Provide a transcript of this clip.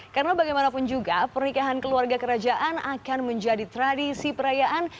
karena bagaimanapun juga pernikahan keluarga kerajaan akan menjadi tradisi perayaan